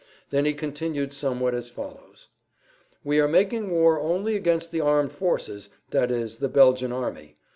Then[Pg 5] he continued somewhat as follows: "We are making war only against the armed forces, that is the Belgium army.